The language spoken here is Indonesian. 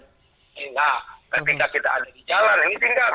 sehingga ketika kita ada di jalan ini tinggal